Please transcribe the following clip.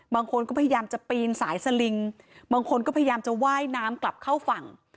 บางคนก็พยายามจะปีนสายสลิงบางคนก็พยายามจะไหว้น้ำกลับเข้าฝั่ง